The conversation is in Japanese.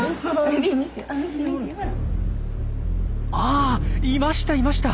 あいましたいました！